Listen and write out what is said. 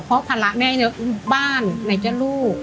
เพราะพละแม่บ้านในก็ลูก